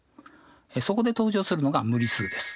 そこで登場するのが無理数です。